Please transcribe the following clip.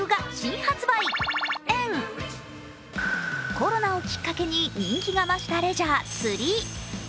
コロナをきっかけに人気が増したレジャー・釣り。